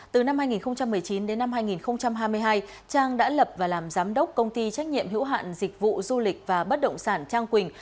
từ năm hai nghìn một mươi chín đến năm hai nghìn hai mươi hai trang đã lập và làm giám đốc công ty trách nhiệm hữu hạn dịch vụ du lịch và bất động sản trang quỳnh